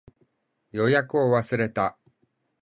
予約を忘れた